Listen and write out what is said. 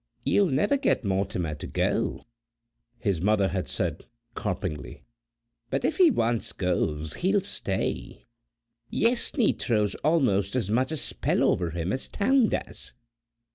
"You will never get Mortimer to go," his mother had said carpingly, "but if he once goes he'll stay; Yessney throws almost as much a spell over him as Town does.